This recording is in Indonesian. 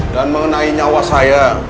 dan mengenai nyawa saya